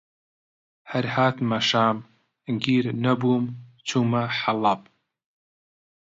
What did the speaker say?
هەر هاتمە شام، گیر نەبووم چوومە حەڵەب